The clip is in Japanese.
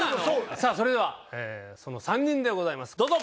さぁそれではその３人でございますどうぞ。